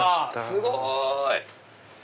すごい！